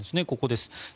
ここです。